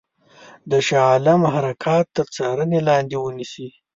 د شاه عالم حرکات تر څارني لاندي ونیسي.